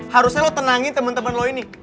harusnya lo tenangin temen temen lo ini